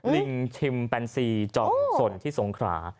ลิงชิมแปนซีจอมสนที่สงขรา